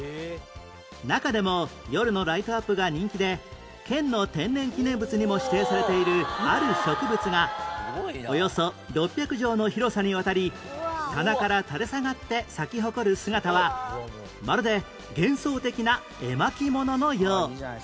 中でも夜のライトアップが人気で県の天然記念物にも指定されているある植物がおよそ６００畳の広さにわたり棚から垂れ下がって咲き誇る姿はまるで幻想的な絵巻物のよう